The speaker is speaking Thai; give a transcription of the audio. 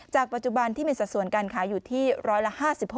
ปัจจุบันที่มีสัดส่วนการขายอยู่ที่ร้อยละ๕๖